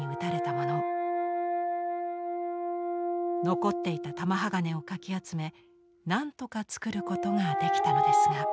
残っていた玉鋼をかき集めなんとかつくることができたのですが。